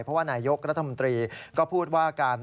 เพราะว่านายกรัฐมนตรีก็พูดว่าการ